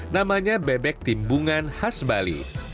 namanya bebek timbungan khas bali